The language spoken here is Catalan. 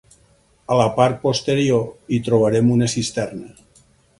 A la part posterior hi trobarem una cisterna.